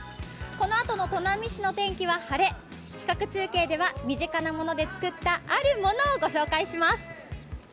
このあとの砺波市の天気は晴れ、企画中継では身近なもので作ったあるものをご紹介します。